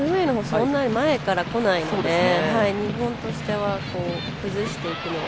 そんなに前から来ないので日本としては、崩していくという。